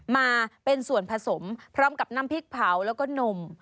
มาเป็นส่วนผสมพร้อมกับน้ำพริกเผาแล้วก็นม